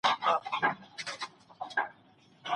مسخره وي د څښتن د غلامانو